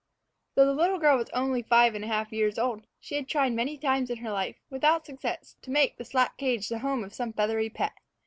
Though the little girl was yet only five and a half years old, she had tried many times in her life, without success, to make the slat cage the home of some feathery pet.